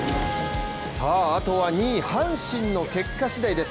あとは２位・阪神の結果しだいです。